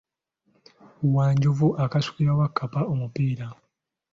Wanjovu akasukira Wakkapa omupiira.